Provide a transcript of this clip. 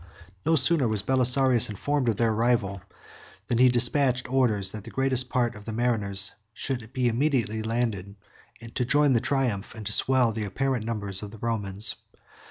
19 No sooner was Belisarius informed of their arrival, than he despatched orders that the greatest part of the mariners should be immediately landed to join the triumph, and to swell the apparent numbers, of the Romans.